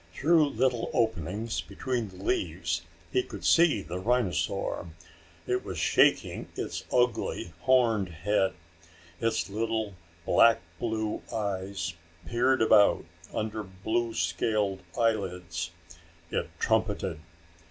Through little openings between the leaves he could see the rhinosaur. It was shaking its ugly horned head. Its little black blue eyes peered about under blue scaled eyelids. It trumpeted.